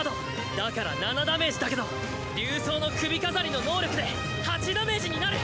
だから７ダメージだけど竜爪の首飾りの能力で８ダメージになる。